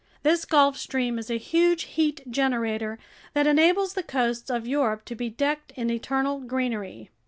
This Gulf Stream is a huge heat generator that enables the coasts of Europe to be decked in eternal greenery.